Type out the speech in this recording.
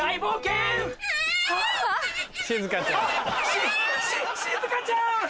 しししずかちゃん！